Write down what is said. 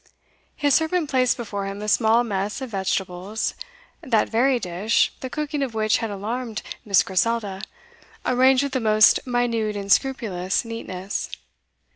His servant placed before him a small mess of vegetables, that very dish, the cooking of which had alarmed Miss Griselda, arranged with the most minute and scrupulous neatness.